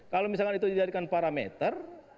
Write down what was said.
kalau misalkan itu dijadikan parameter